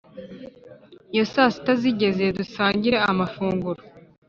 Iyo saasita zigeze dusangira amafunguro